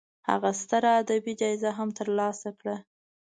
هغه ستره ادبي جایزه هم تر لاسه کړه.